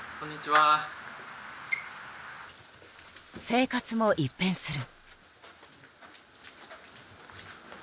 生活も一変する。